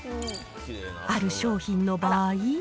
ある商品の場合。